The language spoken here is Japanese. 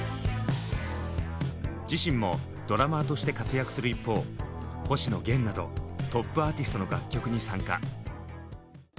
自身もドラマーとして活躍する一方星野源などトップアーティストの楽曲に参加。